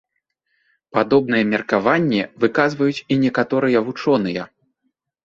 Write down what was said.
Падобнае меркаванне выказваюць і некаторыя вучоныя.